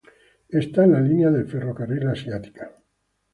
Está en la línea de ferrocarril asiática.